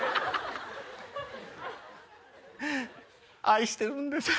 愛してるんです。